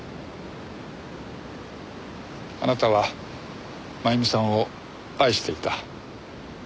あなたは真由美さんを愛していた。